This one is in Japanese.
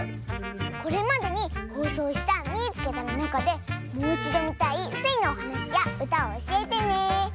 これまでにほうそうした「みいつけた！」のなかでもういちどみたいスイのおはなしやうたをおしえてね！